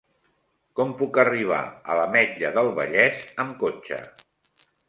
Com puc arribar a l'Ametlla del Vallès amb cotxe?